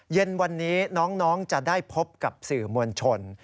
เย็นวันนี้น้องจะได้พบกับสื่อมวลชน